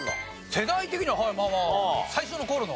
世代的にははいまあまあ最初の頃の。